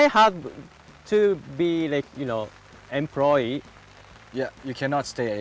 คุณต้องเป็นผู้งาน